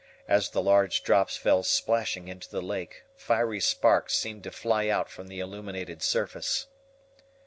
As the large drops fell splashing into the lake, fiery sparks seemed to fly out from the illuminated surface.